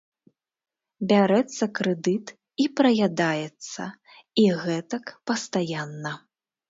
Бярэцца крэдыт і праядаецца, і гэтак пастаянна.